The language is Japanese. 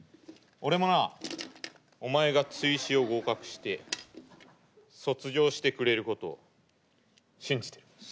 俺もなお前が追試を合格して卒業してくれることを信じてる。